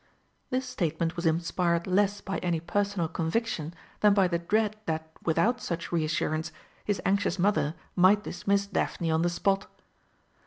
This statement was inspired less by any personal conviction than by the dread that without such reassurance his anxious Mother might dismiss Daphne on the spot.